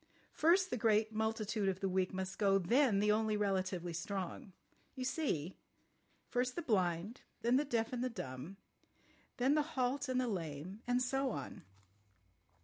First the great multitude of the weak must go, then the only relatively strong. You see? First the blind, then the deaf and the dumb, then the halt and the lame—and so on.